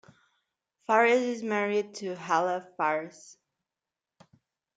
Fares is married to Hala Fares.